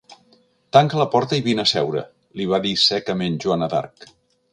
Tanca la porta i vine a seure —li va dir secament Joana d'Arc.